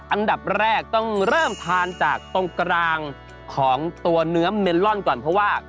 อันดับแรกต้องเริ่มทานจากตรงกลางของตัวเนื้อเมลอนก่อนเพราะว่า